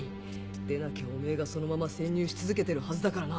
でなきゃおめぇがそのまま潜入し続けてるはずだからな。